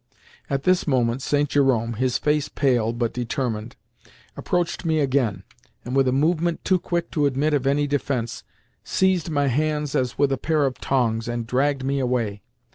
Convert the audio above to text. At this moment St. Jerome—his face pale, but determined—approached me again, and, with a movement too quick to admit of any defence, seized my hands as with a pair of tongs, and dragged me away.